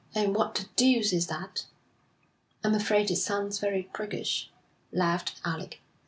'And what the deuce is that?' 'I'm afraid it sounds very priggish,' laughed Alec.